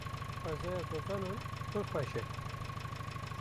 Xwezaya zozanan pir xweş e.